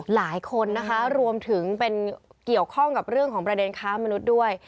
หลายคนนะคะรวมถึงเป็นเกี่ยวข้องกับเรื่องของประเด็นค้ามนุษย์ด้วย